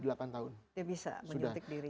dia bisa menyuntik dirinya sendiri